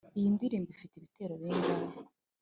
iyi ndirimbo ifite ibitero bingahe?